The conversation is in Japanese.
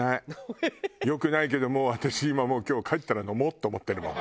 良くないけど私今もう今日帰ったら飲もうと思ってるもん。